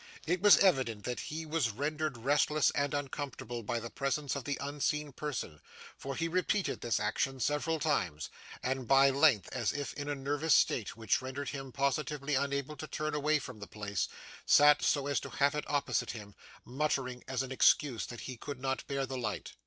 It was evident that he was rendered restless and uncomfortable by the presence of the unseen person; for he repeated this action several times, and at length, as if in a nervous state which rendered him positively unable to turn away from the place, sat so as to have it opposite him, muttering as an excuse that he could not bear the light.